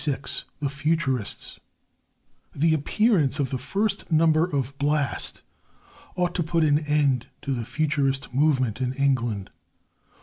XXVI THE FUTURISTS The appearance of the first number of Blast ought to put an end to the Futurist movement in England.